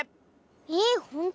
えほんと？